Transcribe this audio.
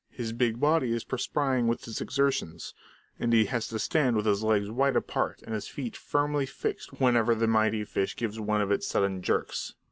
His big body is perspiring with his exertions, and he has to stand with his legs wide apart and his feet firmly fixed whenever the mighty fish gives one of its sudden jerks.